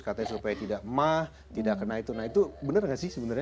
katanya supaya tidak emah tidak kena itu nah itu benar nggak sih sebenarnya